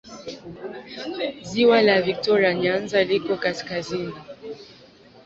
Ziwa la Viktoria Nyanza liko kaskazini.